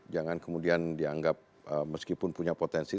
jangan kemudian dianggap meskipun punya potensi